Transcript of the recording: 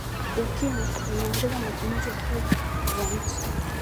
ukimwi unaongeza matumizi ya fedha za nchi